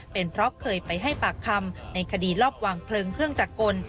เป็นเพราะเคยไปให้ปากคำในคดีรอบวางเพลิงเครื่องจักรกล